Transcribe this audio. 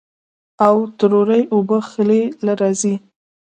او تروې اوبۀ خلې له راځي